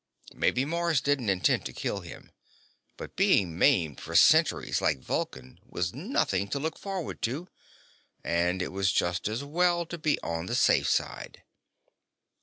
Maybe Mars didn't intend to kill him, but being maimed for centuries, like Vulcan, was nothing to look forward to, and it was just as well to be on the safe side.